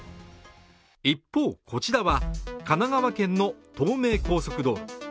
一方、こちらは、神奈川県の東名高速道路。